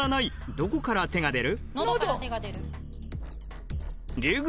喉から手が出る。